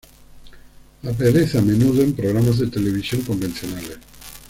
Aparece a menudo en programas de televisión convencionales.